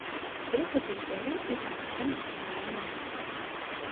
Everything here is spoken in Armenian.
Երգը գրվել է՝ ի պատասխան այդ տղաների մահվան։